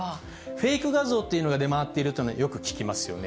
フェイク画像っていうのが出回っているというのはよく聞きますよね。